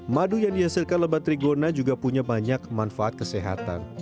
madu yang dihasilkan lebat trigona juga punya banyak manfaat kesehatan